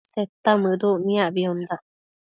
Seta mëduc niacbiondac